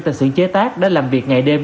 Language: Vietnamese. tại sự chế tác đã làm việc ngày đêm